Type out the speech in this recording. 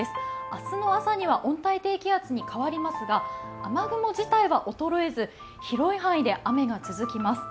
明日の朝には温帯低気圧に変わりますが、雨雲自体は衰えず広い範囲で雨が続きます。